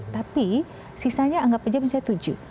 tapi sisanya anggap saja misalnya tujuh